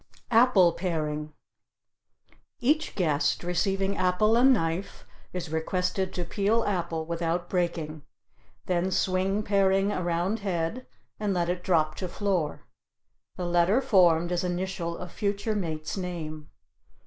APPLE PARING Each guest, receiving apple and knife, is requested to peel apple without breaking; then swing paring around head, and let it drop to floor. The letter formed is initial of future mate's name.